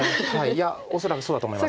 いや恐らくそうだと思います。